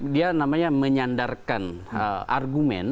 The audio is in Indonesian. dia namanya menyandarkan argumen